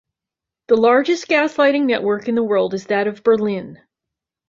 The largest gas lighting network in the world is that of Berlin.